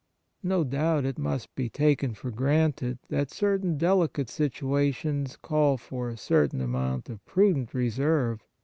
No doubt it must be taken for granted that certain delicate situa tions call for a certain amount of prudent reserve.